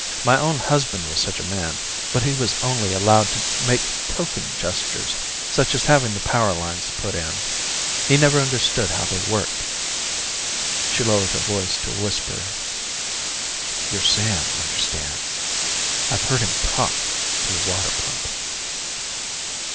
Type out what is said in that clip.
My own husband was such a man, but he was only allowed to make token gestures, such as having the power lines put in. He never understood how they worked." She lowered her voice to a whisper, "Your Sam understands. I've heard him talk to the water pump."